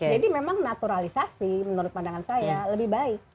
jadi memang naturalisasi menurut pandangan saya lebih baik